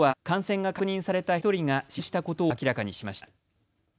また都は感染が確認された１人が死亡したことを明らかにしました。